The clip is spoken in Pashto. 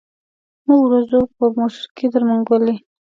موږ ورځو په موټر کي تر منګلي.